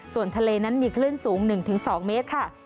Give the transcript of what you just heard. ส่วนทะเลนั้นมีคลื่นสูง๑๒เมตรค่ะ